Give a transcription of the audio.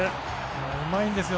うまいんですよ。